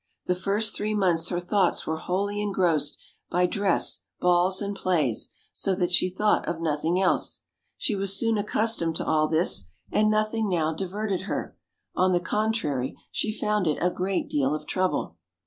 The first three months her thoughts were wholly engrossed by dress, balls, and plays, so that she thought of nothing else. She was soon accustomed to all this, and nothing now diverted her; on the con trary she found it a great dea'l of trouble.